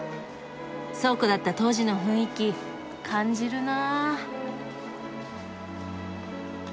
倉庫だった当時の雰囲気感じるな。